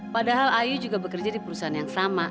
padahal ayu juga bekerja di perusahaan yang sama